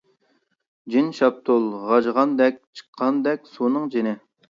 جىن شاپتۇل غاجىغاندەك چىققاندەك سۇنىڭ جېنى.